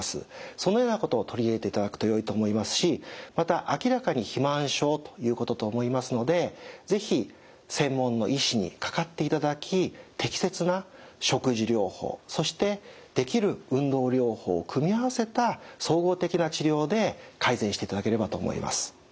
そのようなことを取り入れていただくとよいと思いますしまた明らかに肥満症ということと思いますので是非専門の医師にかかっていただき適切な食事療法そしてできる運動療法を組み合わせた総合的な治療で改善していただければと思います。